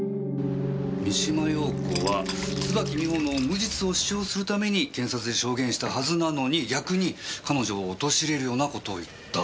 三島陽子は椿美穂の無実を主張するために検察で証言したはずなのに逆に彼女を陥れるような事を言った。